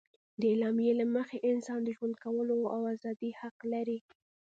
د اعلامیې له مخې انسان د ژوند کولو او ازادي حق لري.